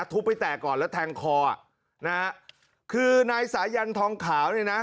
ทุบไปแตกก่อนแล้วแทงคออ่ะนะฮะคือนายสายันทองขาวเนี่ยนะ